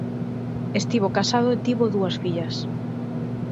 Estivo casado e tivo dúas fillas.